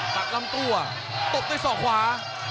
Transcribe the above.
ตัดลำตัวตบด้วยศอกขวา